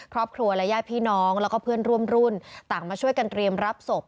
ครอบครัวและญาติพี่น้องแล้วก็เพื่อนร่วมรุ่นต่างมาช่วยกันเตรียมรับศพ